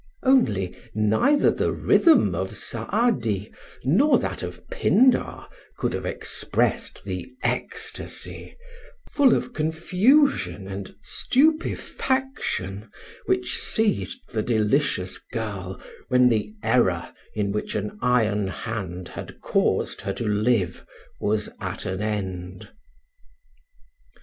Only, neither the rhythm of Saadi, nor that of Pindar, could have expressed the ecstasy full of confusion and stupefaction which seized the delicious girl when the error in which an iron hand had caused her to live was at an end.